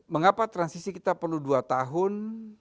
mengapa transisi kita perlu dua tahun